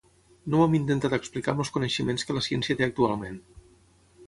No ho hem intentat explicar amb els coneixements que la ciència té actualment.